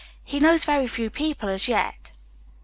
"He knows very few people as yet."